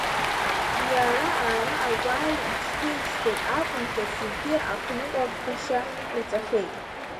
Иара ара агәаҩа иҽҭеишьуеит акәымзар, зегьы ахныҟәгашьа рҵахьеит.